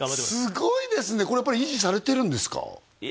すごいですねこれやっぱり維持されてるんですか？